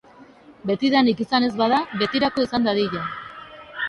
Betidanik izan ez bada, betirako izan dadila!